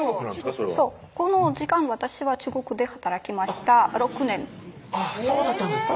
それはこの時間私は中国で働きました６年そうだったんですか